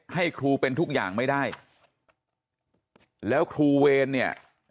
ให้ครูเป็นทุกอย่างไม่ได้แล้วครูเวรเนี่ย